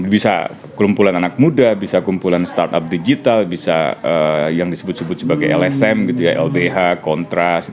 bisa kelumpulan anak muda bisa kumpulan startup digital bisa yang disebut sebut sebagai lsm gitu ya lbh kontras